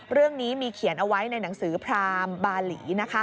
เรื่องนี้มีเขียนเอาไว้ในหนังสือพรามบาหลี